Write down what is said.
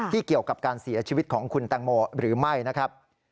เกี่ยวกับการเสียชีวิตของคุณแตงโมหรือไม่นะครับ